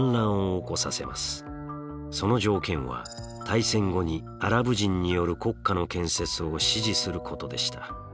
その条件は大戦後にアラブ人による国家の建設を支持することでした。